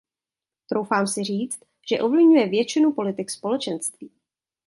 Troufám si říct, že ovlivňuje většinu politik Společenství.